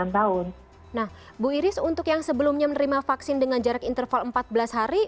nah bu iris untuk yang sebelumnya menerima vaksin dengan jarak interval empat belas hari